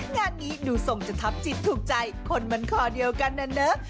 งานนี้ดูทรงจะทับจิตถูกใจคนมันคอเดียวกันนะเนอะ